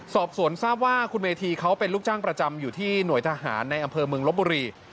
สอบสวนทราบว่าคุณเมธีเขาเป็นลูกจ้างประจำอยู่ที่หน่วยทหารในอำเภอเมืองลบบุรี